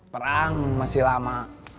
perang masih lama